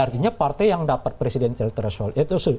dan artinya partai yang dapat presiden teritorial itu tidak